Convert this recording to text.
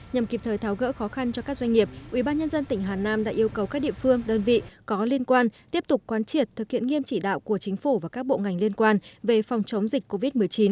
nhằm kịp thời tháo gỡ khó khăn cho các doanh nghiệp ubnd tỉnh hà nam đã yêu cầu các địa phương đơn vị có liên quan tiếp tục quan triệt thực hiện nghiêm chỉ đạo của chính phủ và các bộ ngành liên quan về phòng chống dịch covid một mươi chín